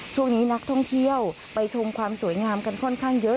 ช่วงนี้นักท่องเที่ยวไปชมความสวยงามกันค่อนข้างเยอะ